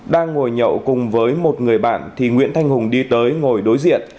đang ngồi nhậu cùng với một người bạn thì nguyễn thanh hùng đi tới ngồi đối diện